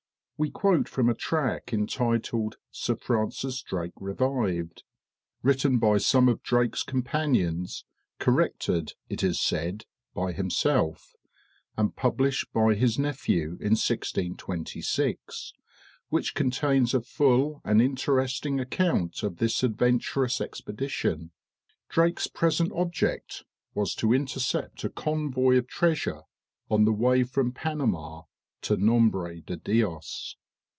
We quote from a tract entitled "Sir Francis Drake Revived," written by some of Drake's companions, corrected, it is said, by himself, and published by his nephew in 1626, which contains a full and interesting account of this adventurous expedition. Drake's present object was to intercept a convoy of treasure on the way from Panama to Nombre de Dios.